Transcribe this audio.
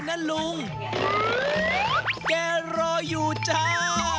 นะลุงแกรออยู่จ้า